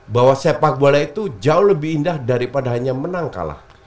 bahwa sepak bola itu jauh lebih indah daripada hanya menang kalah